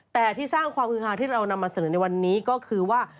แต่ที่สร้างความฮือฮาที่เรานำมาเสนอในวันนี้ก็คือว่า